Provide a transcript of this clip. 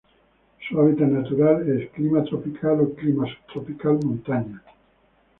Su hábitat natural es: Clima tropical o Clima subtropical, montañas.